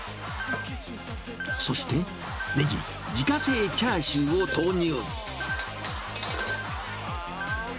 そして、ねぎ、自家製チャーシューを投入。